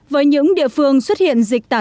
với những địa phương xuất hiện dịch tả lợi